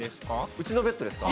うちのベッドですか？